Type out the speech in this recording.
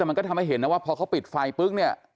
แต่มันก็ทำให้เห็นนะว่าพอเขาปิดไฟปุ๊ก